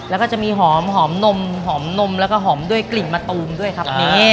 แล้วก็จะมีหอมนมหอมนมแล้วก็หอมด้วยกลิ่นมะตูมด้วยครับ